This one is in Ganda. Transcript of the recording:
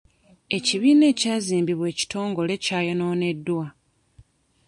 Ekibiina ekyazimbibwa ekitongole kyayonooneddwa.